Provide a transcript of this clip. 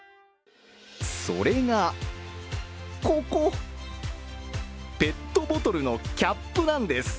それが、ここ、ペットボトルのキャップなんです。